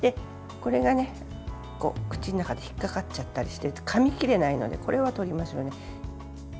これが口の中で引っかかっちゃったりしてかみ切れないのでこれは取りましょうね。